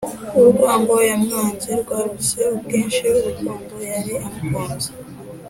urwango yamwanze rwaruse ubwinshi urukundo yari amukunze.